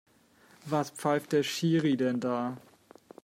Was pfeift der Schiri denn da?